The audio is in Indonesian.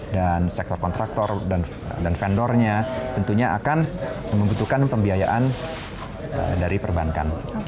dan sektor kontraktor dan vendornya tentunya akan membutuhkan pembiayaan dari perbankan